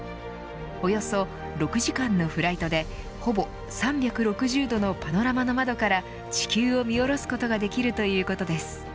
およそ６時間のフライトでほぼ３６０度のパノラマの窓から地球を見下ろすことができるということです。